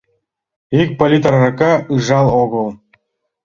Ик политр арака ыжал огыл.